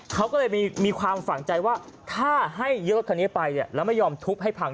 เขาก็เลยมีความฝังใจว่าถ้าให้ยึดรถคันนี้ไปแล้วไม่ยอมทุบให้พัง